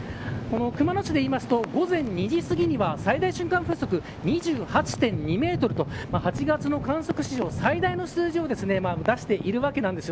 熊野市でいうと午前２時すぎには最大瞬間風速２８．２メートルと８月の観測史上最大の数字を出しているわけなんです。